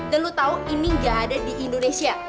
dan lo tau ini gak ada di indonesia